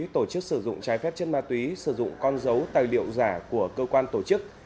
tổ chức sử dụng trái phép chất ma túy sử dụng con dấu tài liệu giả của cơ quan tổ chức